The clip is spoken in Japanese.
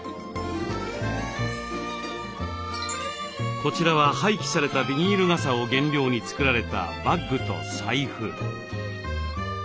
こちらは廃棄されたビニール傘を原料に作られたバッグと財布。